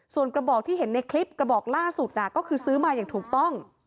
ส่วนกระบอกที่เห็นในคลิปกระบอกล่าสุดก็คือซื้อมาอย่างถูกต้อง